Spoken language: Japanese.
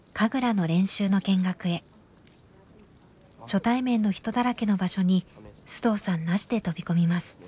初対面の人だらけの場所に須藤さんなしで飛び込みます。